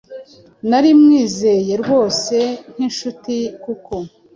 Nari mwizeye rwose nk’inshuti kuko